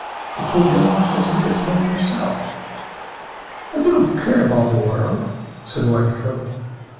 It will be almost as good as going yourself." "I do not care about the world," said White coat.